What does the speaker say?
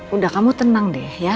udah kamu tenang deh ya